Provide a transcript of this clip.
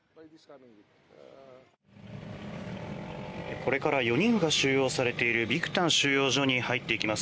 これから４人が収容されているビクタン収容所に入っていきます。